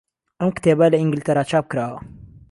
ئەم کتێبە لە ئینگلتەرا چاپکراوە.